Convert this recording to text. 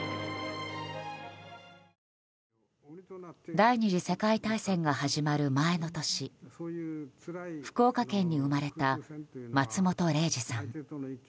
第２次世界大戦が始まる前の年福岡県に生まれた松本零士さん。